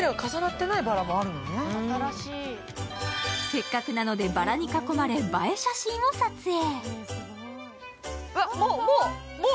せっかくなのでバラに囲まれ、映え写真を撮影。